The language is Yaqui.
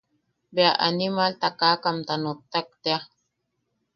Bea animal takakamta nottak tea.